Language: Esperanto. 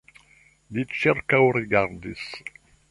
Li ĉirkaŭrigardis.